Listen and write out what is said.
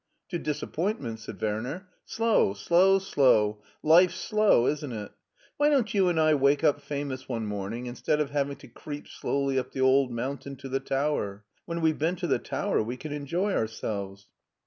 " To disappointment," said Werner. " Slow, slow, slow; life's slow, isn't it? Why don't you and I wake up famous one morning instead of having to creep slowly up the old mountain to the tower. When we've been to the tower we can enjoy ourselves."